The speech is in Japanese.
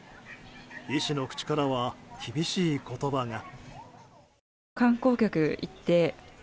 医師の口からは、厳しい言葉が。